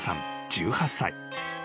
１８歳］